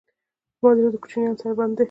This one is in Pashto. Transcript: زما زړه د کوچیانو سره بند دی.